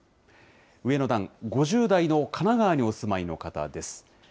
上の段、５０代の神奈川にお住まいの方です。